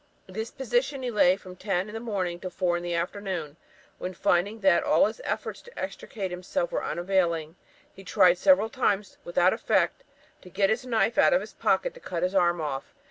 In this position he lay from ten in the morning till four in the afternoon; when, finding that all his efforts to extricate himself were unavailing, he tried several times, without effect, to get his knife out of his pocket to cut his arm off.